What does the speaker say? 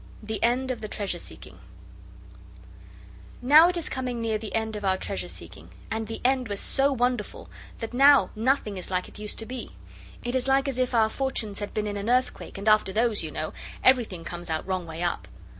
THE END OF THE TREASURE SEEKING Now it is coming near the end of our treasure seeking, and the end was so wonderful that now nothing is like it used to be. It is like as if our fortunes had been in an earthquake, and after those, you know, everything comes out wrong way up.